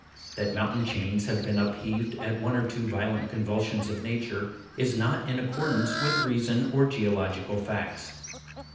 That mountain chains have been upheaved at one or two violent convulsions of nature, is not in accordance with reason or geological facts.